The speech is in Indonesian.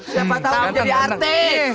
siapa tahu menjadi artis